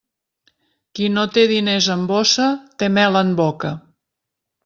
Qui no té diners en bossa té mel en boca.